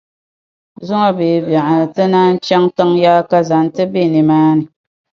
Zuŋɔ bee biɛɣuni ti ni chaŋ tiŋ’ yaakaza nti be nimaani.